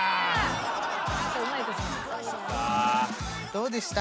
どうでした？